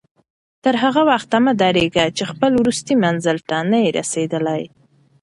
تر هغه وخته مه درېږه چې خپل وروستي منزل ته نه یې رسېدلی.